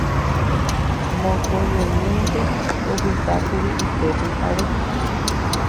Mokõivemínte opytákuri upe pyhare.